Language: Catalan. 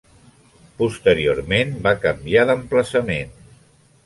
Posteriorment va canviar d'emplaçament.